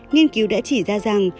nghiên cứu đã chỉ ra rằng